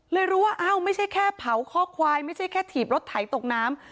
รู้ว่าอ้าวไม่ใช่แค่เผาข้อควายไม่ใช่แค่ถีบรถไถตกน้ำ